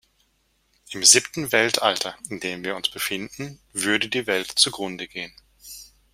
Im siebten Weltalter, in dem wir uns befinden, würde die Welt zugrunde gehen.